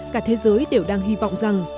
cả thế giới đều đang hy vọng rằng